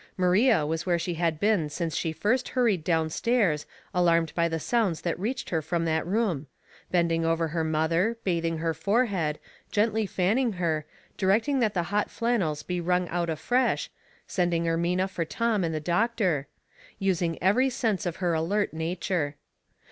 Maria was where she had been since she first hurried down stairs, alarmed by the sounds that reached her from that room — bending over her mother, bathing her forehead, gently fanning her, direct ing that the hot flannels be wrung out afresh, sending Ermina for Tom and the doctor — using every sense of her alert nature.